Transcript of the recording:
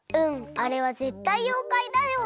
あれはぜったいようかいだよ！